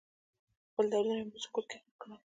خپل دردونه مې په سکوت کې ښخ کړل.